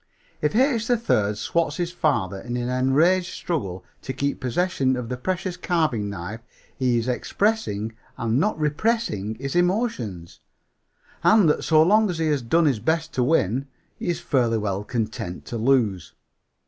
If H. 3rd swats his father in an enraged struggle to keep possession of the precious carving knife he is expressing and not repressing his emotions. And so long as he has done his best to win he is fairly well content to lose.